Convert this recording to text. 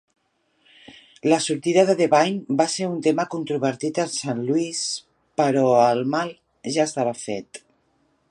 La sortida de Devine va ser un tema controvertit en Saint Louis, però el mal ja estava fet.